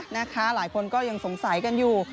นะคะหลายคนก็ยังสงสัยกันอยู่